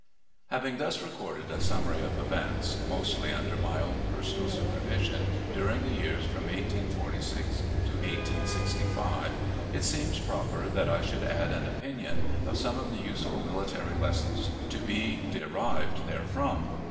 Having thus recorded a summary of events, mostly under my own personal supervision, during the years from 1846 to 1865, it seems proper that I should add an opinion of some of the useful military lessons to be derived therefrom.